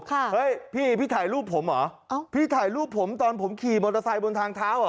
เฮ้ยพี่พี่ถ่ายรูปผมเหรอเอ้าพี่ถ่ายรูปผมตอนผมขี่มอเตอร์ไซค์บนทางเท้าเหรอ